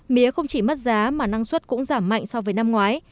mía không chỉ mất giá mà năng suất cũng giảm mạnh so với năm ngoái